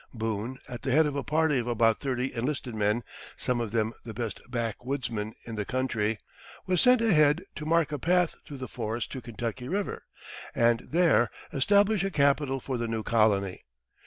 Boone, at the head of a party of about thirty enlisted men, some of them the best backwoodsmen in the country, was sent ahead to mark a path through the forest to Kentucky River, and there establish a capital for the new colony.